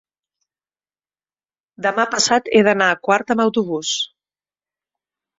demà passat he d'anar a Quart amb autobús.